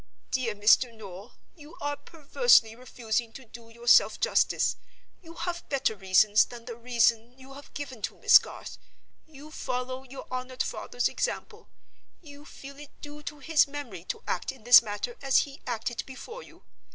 Dear Mr. Noel, you are perversely refusing to do yourself justice; you have better reasons than the reason you have given to Miss Garth. You follow your honored father's example; you feel it due to his memory to act in this matter as he acted before you.